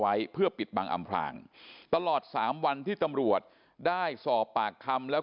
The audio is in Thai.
ไว้เพื่อปิดบังอำพลางตลอด๓วันที่ตำรวจได้สอบปากคำแล้ว